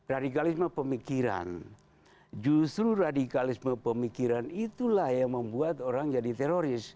radikalisme pemikiran justru radikalisme pemikiran itulah yang membuat orang jadi teroris